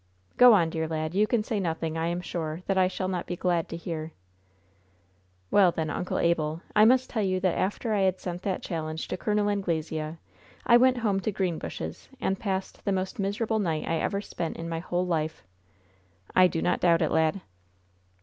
"Go on, dear lad. You can say nothing, I am sure, that I shall not be glad to hear." "Well, then, Uncle Abel, I must tell you that after I had sent that challenge to Col. Anglesea I went home to Greenbushes and passed the most miserable night I ever spent in my whole life." "I do not doubt it, lad."